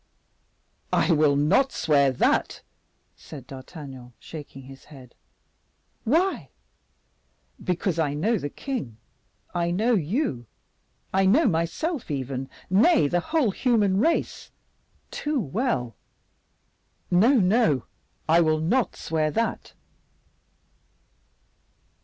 "I will not swear that," said D'Artagnan, shaking his head. "Why?" "Because I know the king, I know you, I know myself even, nay, the whole human race, too well; no, no, I will not swear that!"